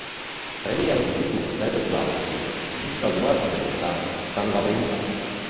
Premiérový titul z této události získal domácí tenista Stan Wawrinka.